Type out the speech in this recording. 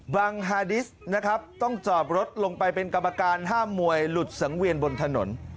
วังฮาดิสนะครับต้องจอดรถลงไปเป็นกรรมการห้ามมวยหลุดสังเวียนบนถนน